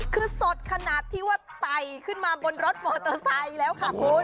คือสดขนาดที่ว่าไต่ขึ้นมาบนรถมอเตอร์ไซค์แล้วค่ะคุณ